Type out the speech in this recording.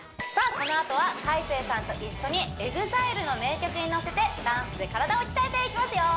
このあとは海青さんと一緒にＥＸＩＬＥの名曲にのせてダンスで体を鍛えていきますよ